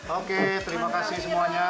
oke terima kasih semuanya